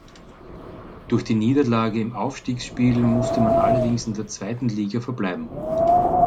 Durch die Niederlage im Aufstiegsspiel musste man allerdings in der zweiten Liga verbleiben.